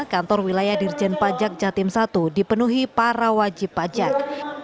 kantor wilayah dirjen pajak jatim i dipenuhi para wajib pajak